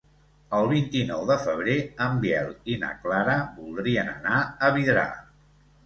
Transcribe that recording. El vint-i-nou de febrer en Biel i na Clara voldrien anar a Vidrà.